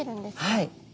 はい。